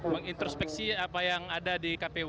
mengintrospeksi apa yang ada di kpu